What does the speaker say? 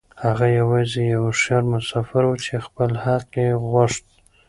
هغه يوازې يو هوښيار مسافر و چې خپل حق يې غوښت.